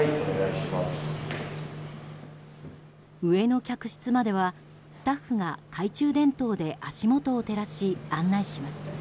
上の客室までは、スタッフが懐中電灯で足元を照らし案内します。